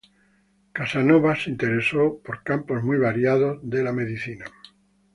Casanova se interesó por campos muy variados de la medicina.